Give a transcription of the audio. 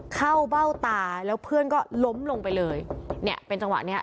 เบ้าตาแล้วเพื่อนก็ล้มลงไปเลยเนี่ยเป็นจังหวะเนี้ย